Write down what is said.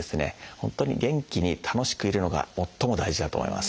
本当に元気に楽しくいるのが最も大事だと思います。